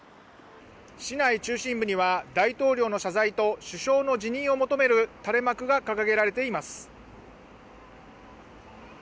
市内中心部には大統領の謝罪と首相の辞任を求める垂れ幕が掲げられています。